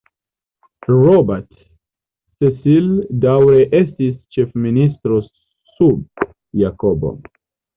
Robert Cecil daŭre estis ĉef-ministro sub Jakobo.